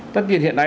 tất nhiên hiện nay